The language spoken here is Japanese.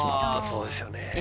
そうですよね。